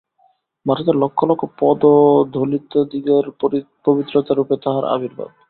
ভারতের লক্ষ লক্ষ পদদলিতদিগের পরিত্রাতারূপে তাঁহার আবির্ভাব।